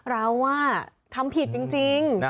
เราทำผิดจริง